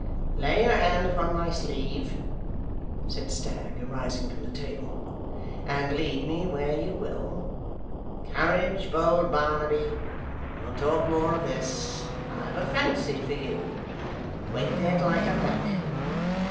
'Lay your hand upon my sleeve,' said Stagg, arising from the table; 'and lead me where you will. Courage, bold Barnaby. We'll talk more of this: I've a fancy for you. Wait there till I come back.